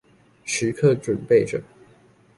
時刻準備著